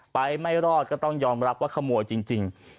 ไม่รอดก็ต้องยอมรับว่าขโมยจริง